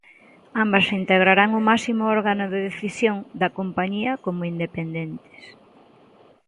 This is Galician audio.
Ambas integrarán o máximo órgano de decisión da compañía como independentes.